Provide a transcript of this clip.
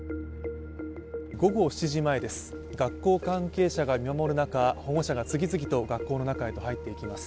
午後７時前です、学校関係者が見守る中保護者が次々と学校の中へと入っていきます。